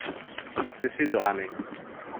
Cessez de ramer.